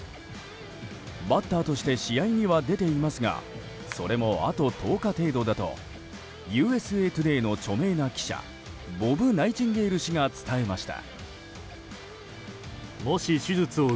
バッターとして試合には出ていますがそれも、あと１０日程度だとＵＳＡトゥデイの著名な記者ボブ・ナイチンゲール氏が伝えました。